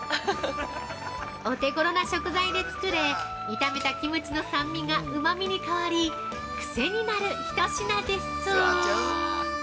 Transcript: ◆お手ごろな食材で作れ炒めたキムチの酸味がうまみに変わり癖になる一品です。